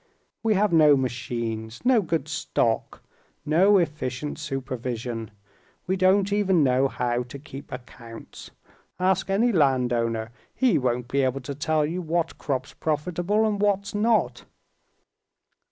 We have no machines, no good stock, no efficient supervision; we don't even know how to keep accounts. Ask any landowner; he won't be able to tell you what crop's profitable, and what's not."